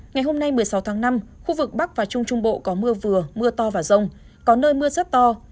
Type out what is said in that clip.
ngày hôm nay một mươi sáu tháng năm khu vực bắc và trung trung bộ có mưa vừa mưa to và rông có nơi mưa rất to